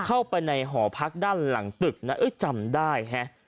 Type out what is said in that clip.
เข้าไปในห่อพักด้านหลังตึกจำได้